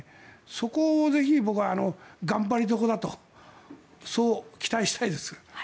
そこをぜひ僕は頑張りどころだとそう期待したいです。